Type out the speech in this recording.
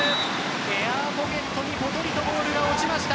エアポケットにポトリとボールが落ちました。